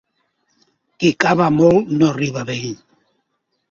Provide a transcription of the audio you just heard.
Qui cava molt no arriba a vell.